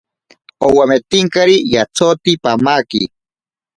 Owametinkari yatsoti pamaki.